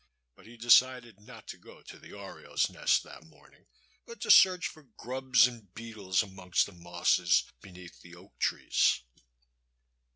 But he decided not to go to the oriole's nest that morning, but to search for grabs and beetles amongst the mosses beneath the oak trees.